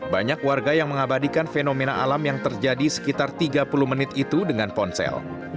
banyak warga yang mengabadikan fenomena alam yang terjadi sekitar tiga puluh menit itu dengan ponsel